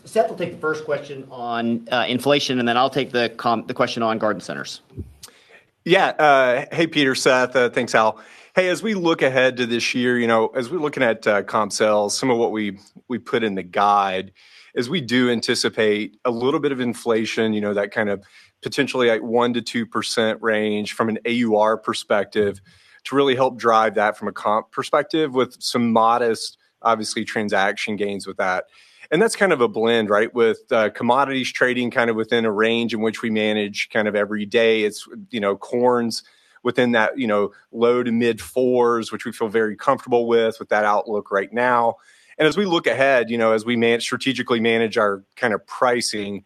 Seth will take the first question on inflation, and then I'll take the question on garden centers. Yeah, hey, Peter, Seth, thanks, Hal. Hey, as we look ahead to this year, you know, as we're looking at, comp sales, some of what we, we put in the guide is we do anticipate a little bit of inflation, you know, that kind of potentially at 1%-2% range from an AUR perspective, to really help drive that from a comp perspective, with some modest, obviously, transaction gains with that. And that's kind of a blend, right, with, commodities trading kind of within a range in which we manage kind of every day. It's, you know, corn's within that, you know, low to mid-fours, which we feel very comfortable with, with that outlook right now. As we look ahead, you know, as we strategically manage our kind of pricing,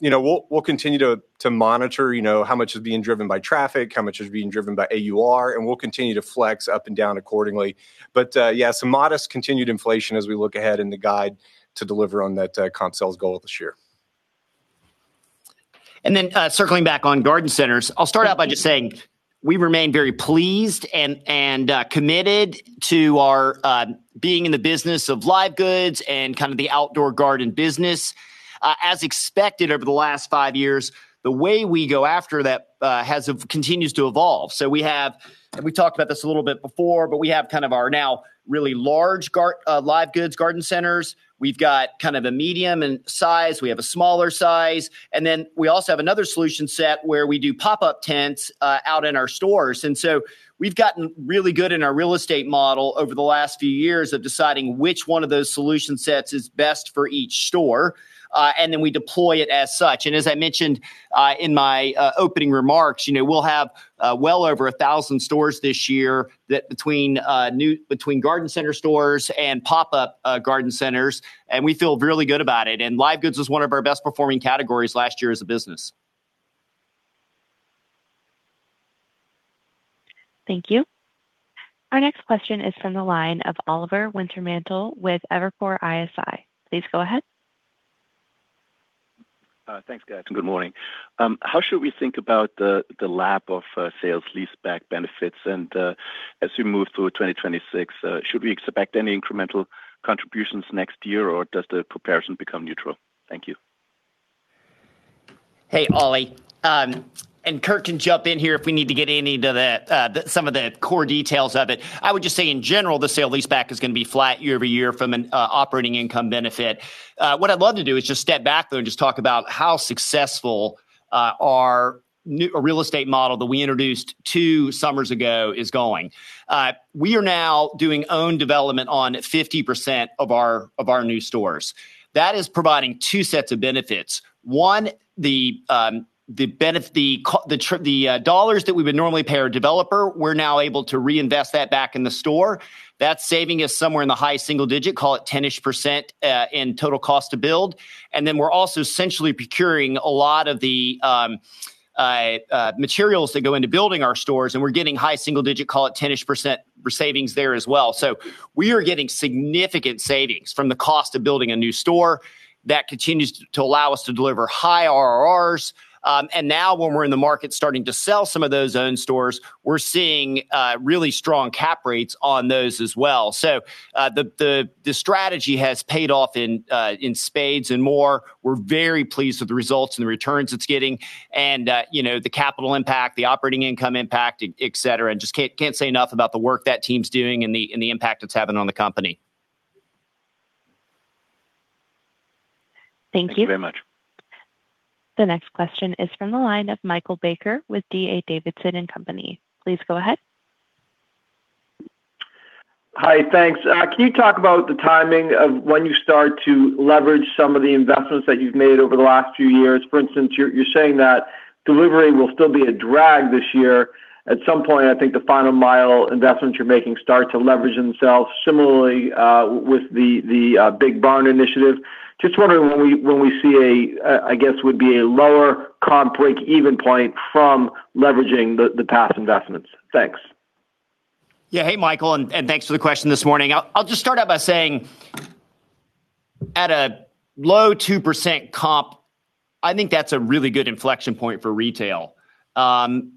you know, we'll continue to monitor, you know, how much is being driven by traffic, how much is being driven by AUR, and we'll continue to flex up and down accordingly. But, yeah, some modest continued inflation as we look ahead in the guide to deliver on that comp sales goal this year. And then, circling back on garden centers, I'll start out by just saying we remain very pleased and committed to our being in the business of live goods and kind of the outdoor garden business. As expected, over the last five years, the way we go after that continues to evolve. So we have, and we talked about this a little bit before, but we have kind of our now really large live goods garden centers. We've got kind of a medium in size. We have a smaller size, and then we also have another solution set where we do pop-up tents out in our stores. So we've gotten really good in our real estate model over the last few years of deciding which one of those solution sets is best for each store, and then we deploy it as such. And as I mentioned in my opening remarks, you know, we'll have well over 1,000 stores this year that between garden center stores and pop-up garden centers, and we feel really good about it. And live goods was one of our best performing categories last year as a business. Thank you. Our next question is from the line of Oliver Wintermantel with Evercore ISI. Please go ahead. Thanks, guys, and good morning. How should we think about the lapping of sale-leaseback benefits? And as we move through 2026, should we expect any incremental contributions next year, or does the comparison become neutral? Thank you. Hey, Ollie. And Kurt can jump in here if we need to get into any of the core details of it. I would just say, in general, the sale-leaseback is gonna be flat year-over-year from an operating income benefit. What I'd love to do is just step back, though, and just talk about how successful our new real estate model that we introduced two summers ago is going. We are now doing our own development on 50% of our new stores. That is providing two sets of benefits. One, the dollars that we would normally pay our developer, we're now able to reinvest that back in the store. That's saving us somewhere in the high single digit, call it 10%-ish, in total cost to build. And then we're also essentially procuring a lot of the materials that go into building our stores, and we're getting high single digit, call it 10%-ish savings there as well. So we are getting significant savings from the cost of building a new store. That continues to allow us to deliver high IRRs. And now, when we're in the market, starting to sell some of those own stores, we're seeing really strong cap rates on those as well. So, the strategy has paid off in spades and more. We're very pleased with the results and the returns it's getting and, you know, the capital impact, the operating income impact, et cetera. And just can't say enough about the work that team's doing and the impact it's having on the company. Thank you. Thank you very much. The next question is from the line of Michael Baker with D.A. Davidson and Company. Please go ahead.... Hi, thanks. Can you talk about the timing of when you start to leverage some of the investments that you've made over the last few years? For instance, you're saying that delivery will still be a drag this year. At some point, I think the final mile investments you're making start to leverage themselves similarly with the big barn initiative. Just wondering when we see, I guess, would be a lower comp break-even point from leveraging the past investments. Thanks. Yeah. Hey, Michael, and thanks for the question this morning. I'll just start out by saying, at a low 2% comp, I think that's a really good inflection point for retail. And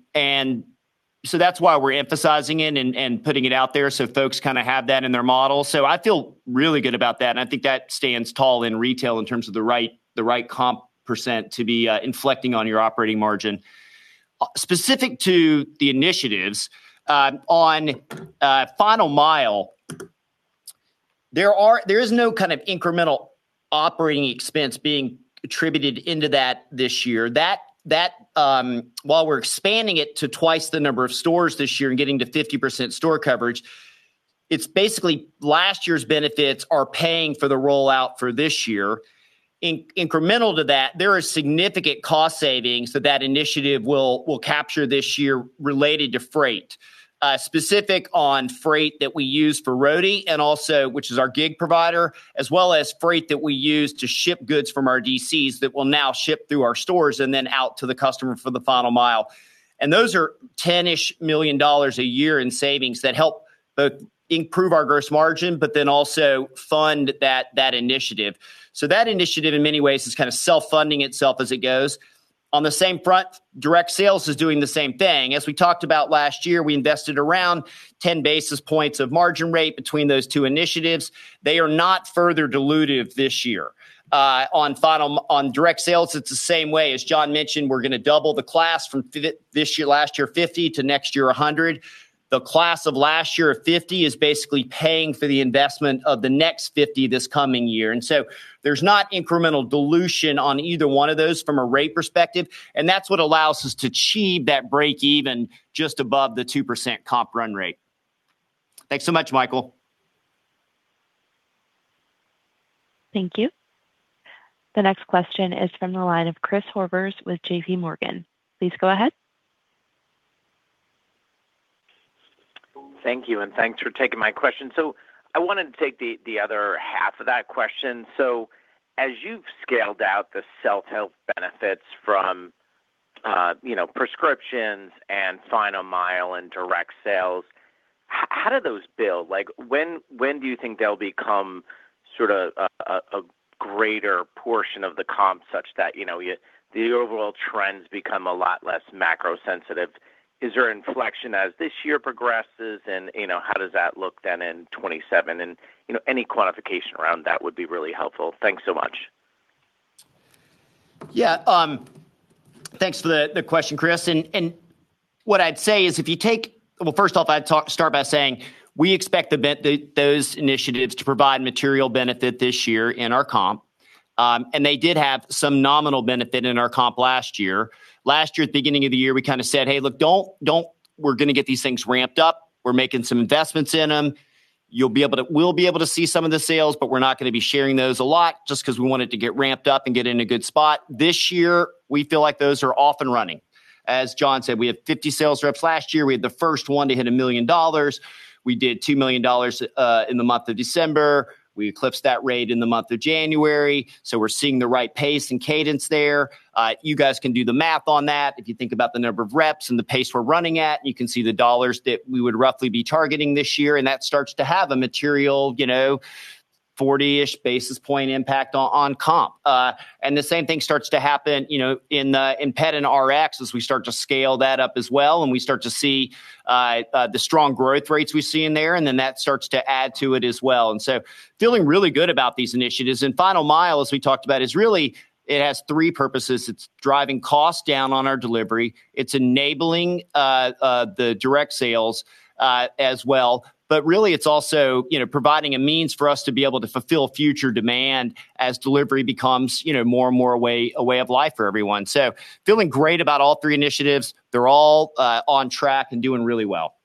so that's why we're emphasizing it and putting it out there, so folks kind of have that in their model. So I feel really good about that, and I think that stands tall in retail in terms of the right comp percent to be inflecting on your operating margin. Specific to the initiatives, on final mile, there is no kind of incremental operating expense being attributed into that this year. That while we're expanding it to twice the number of stores this year and getting to 50% store coverage, it's basically last year's benefits are paying for the rollout for this year. Incremental to that, there are significant cost savings that that initiative will capture this year related to freight. Specific on freight that we use for Roadie and also which is our gig provider, as well as freight that we use to ship goods from our DCs that will now ship through our stores and then out to the customer for the final mile. And those are $10-ish million a year in savings that help both improve our gross margin, but then also fund that initiative. So that initiative, in many ways, is kind of self-funding itself as it goes. On the same front, direct sales is doing the same thing. As we talked about last year, we invested around 10 basis points of margin rate between those two initiatives. They are not further dilutive this year. On final mile on direct sales, it's the same way. As John mentioned, we're gonna double the class from 50 last year to 100 next year. The class of last year of 50 is basically paying for the investment of the next 50 this coming year, and so there's not incremental dilution on either one of those from a rate perspective, and that's what allows us to achieve that break even just above the 2% comp run rate. Thanks so much, Michael. Thank you. The next question is from the line of Chris Horvers with J.P. Morgan. Please go ahead. Thank you, and thanks for taking my question. So I wanted to take the other half of that question. So as you've scaled out the self-help benefits from, you know, prescriptions and final mile and direct sales, how do those build? Like, when do you think they'll become sort of a greater portion of the comp such that, you know, the overall trends become a lot less macro sensitive? Is there inflection as this year progresses, and, you know, how does that look then in 2027? And, you know, any quantification around that would be really helpful. Thanks so much. Yeah, thanks for the question, Chris, and what I'd say is, if you take... Well, first off, I'd start by saying we expect those initiatives to provide material benefit this year in our comp, and they did have some nominal benefit in our comp last year. Last year, at the beginning of the year, we kind of said, "Hey, look, don't we're gonna get these things ramped up. We're making some investments in them. We'll be able to see some of the sales, but we're not gonna be sharing those a lot just 'cause we want it to get ramped up and get in a good spot." This year, we feel like those are off and running. As John said, we had 50 sales reps last year. We had the first one to hit $1 million. We did $2 million in the month of December. We eclipsed that rate in the month of January. So we're seeing the right pace and cadence there. You guys can do the math on that. If you think about the number of reps and the pace we're running at, you can see the dollars that we would roughly be targeting this year, and that starts to have a material, you know, 40-ish basis points impact on comp. And the same thing starts to happen, you know, in pet and Rx as we start to scale that up as well, and we start to see the strong growth rates we see in there, and then that starts to add to it as well. And so feeling really good about these initiatives. And final mile, as we talked about, is really it has three purposes: it's driving costs down on our delivery, it's enabling the direct sales as well, but really it's also, you know, providing a means for us to be able to fulfill future demand as delivery becomes, you know, more and more a way of life for everyone. So feeling great about all three initiatives. They're all on track and doing really well.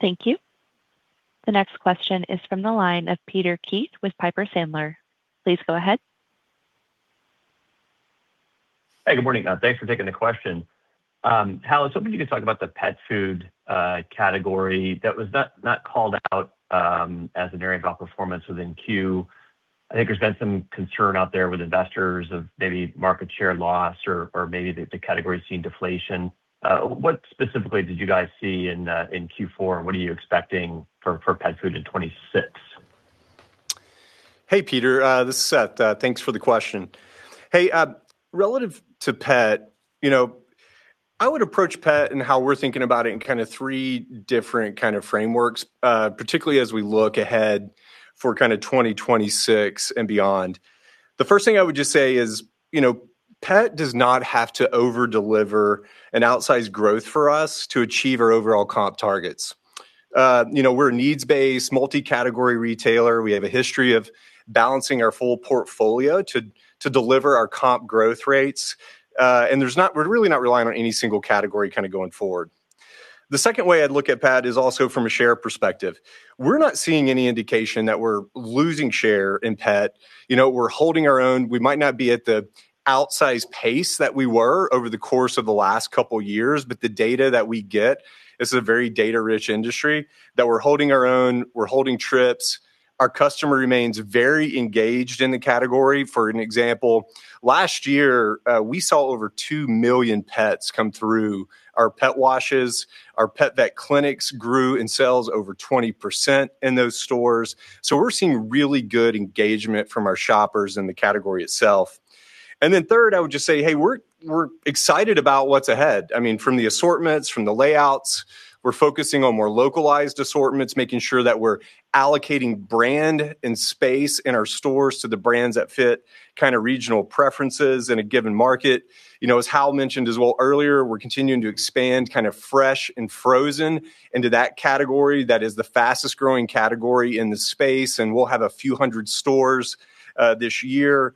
Thank you. The next question is from the line of Peter Keith with Piper Sandler. Please go ahead. Hey, good morning. Thanks for taking the question. Hal, I was hoping you could talk about the pet food category that was not, not called out as an area of outperformance within Q4. I think there's been some concern out there with investors of maybe market share loss or, or maybe the, the category seeing deflation. What specifically did you guys see in in Q4, and what are you expecting for pet food in 2026? Hey, Peter, this is Seth. Thanks for the question. Hey, relative to pet, you know, I would approach pet and how we're thinking about it in kind of three different kind of frameworks, particularly as we look ahead for kind of 2026 and beyond. The first thing I would just say is, you know, pet does not have to over-deliver an outsized growth for us to achieve our overall comp targets. You know, we're a needs-based, multi-category retailer. We have a history of balancing our full portfolio to, to deliver our comp growth rates. And there's not-- we're really not relying on any single category kind of going forward. The second way I'd look at pet is also from a share perspective. We're not seeing any indication that we're losing share in pet. You know, we're holding our own. We might not be at the outsized pace that we were over the course of the last couple years, but the data that we get, this is a very data-rich industry, that we're holding our own, we're holding trips. Our customer remains very engaged in the category. For an example, last year, we saw over 2 million pets come through our pet washes. Our PetVet clinics grew in sales over 20% in those stores. So we're seeing really good engagement from our shoppers in the category itself. And then third, I would just say, hey, we're excited about what's ahead. I mean, from the assortments, from the layouts. We're focusing on more localized assortments, making sure that we're allocating brand and space in our stores to the brands that fit kind of regional preferences in a given market. You know, as Hal mentioned as well earlier, we're continuing to expand kind of fresh and frozen into that category. That is the fastest growing category in the space, and we'll have a few hundred stores this year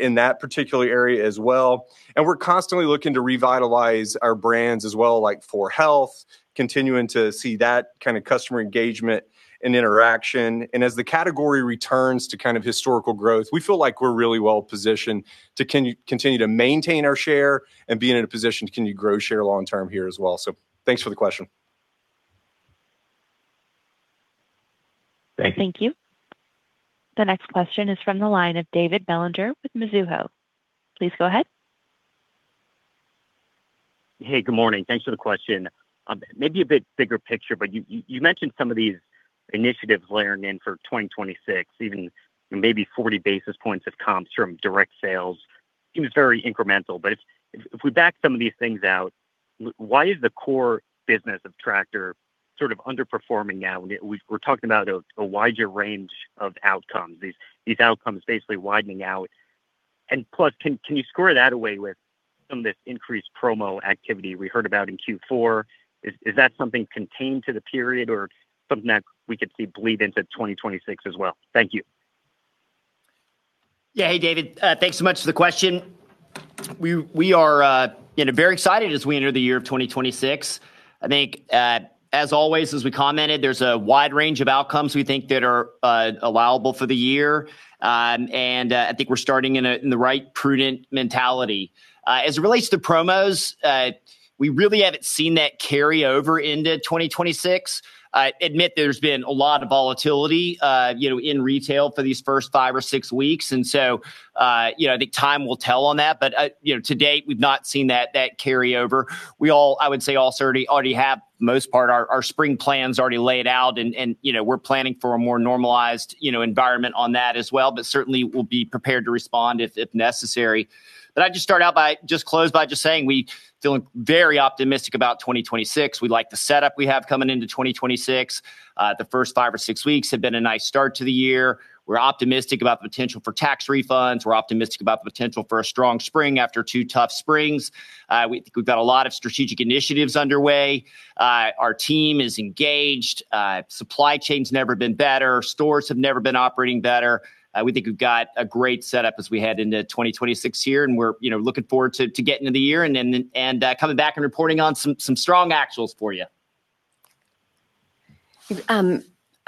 in that particular area as well. And we're constantly looking to revitalize our brands as well, like 4health, continuing to see that kind of customer engagement and interaction. And as the category returns to kind of historical growth, we feel like we're really well positioned to continue to maintain our share and be in a position to continue to grow share long term here as well. So thanks for the question. Thank you. Thank you. The next question is from the line of David Bellinger with Mizuho. Please go ahead. Hey, good morning. Thanks for the question. Maybe a bit bigger picture, but you mentioned some of these initiatives layering in for 2026, even maybe 40 basis points of comps from direct sales. It was very incremental, but if we back some of these things out, why is the core business of Tractor sort of underperforming now? We're talking about a wider range of outcomes, these outcomes basically widening out. Plus, can you square that away with some of this increased promo activity we heard about in Q4? Is that something contained to the period or something that we could see bleed into 2026 as well? Thank you. Yeah. Hey, David. Thanks so much for the question. We are, you know, very excited as we enter the year of 2026. I think, as always, as we commented, there's a wide range of outcomes we think that are allowable for the year. And I think we're starting in the right prudent mentality. As it relates to promos, we really haven't seen that carry over into 2026. I admit there's been a lot of volatility, you know, in retail for these first five or six weeks, and so, you know, I think time will tell on that. But, you know, to date, we've not seen that carry over. We all already have most of our spring plans already laid out and, you know, we're planning for a more normalized, you know, environment on that as well, but certainly we'll be prepared to respond if necessary. But I'd just start out by just closing by just saying we're feeling very optimistic about 2026. We like the setup we have coming into 2026. The first 5 or 6 weeks have been a nice start to the year. We're optimistic about the potential for tax refunds. We're optimistic about the potential for a strong spring after two tough springs. We've got a lot of strategic initiatives underway. Our team is engaged. Supply chain's never been better. Stores have never been operating better. We think we've got a great setup as we head into 2026 here, and we're, you know, looking forward to getting to the year and then coming back and reporting on some strong actuals for you.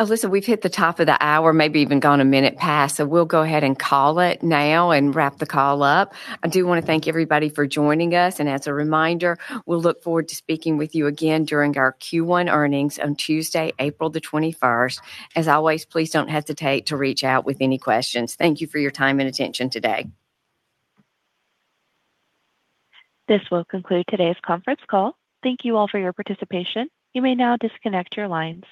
Alyssa, we've hit the top of the hour, maybe even gone a minute past, so we'll go ahead and call it now and wrap the call up. I do want to thank everybody for joining us. As a reminder, we'll look forward to speaking with you again during our Q1 earnings on Tuesday, April 21st. As always, please don't hesitate to reach out with any questions. Thank you for your time and attention today. This will conclude today's conference call. Thank you all for your participation. You may now disconnect your lines.